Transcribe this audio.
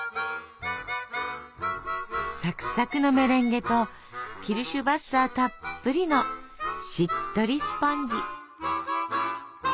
サクサクのメレンゲとキルシュヴァッサーたっぷりのしっとりスポンジ。